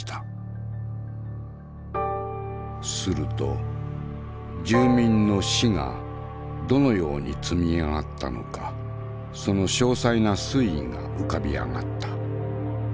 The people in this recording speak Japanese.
すると住民の死がどのように積み上がったのかその詳細な推移が浮かび上がった。